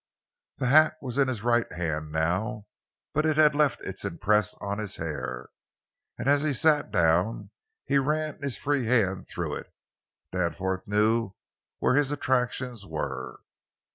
The hat was in his right hand, now, but it had left its impress on his hair, and as he sat down he ran his free hand through it. Danforth knew where his attractions were.